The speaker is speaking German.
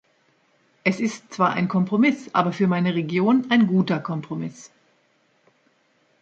Es ist zwar ein Kompromiss, aber für meine Region ein guter Kompromiss.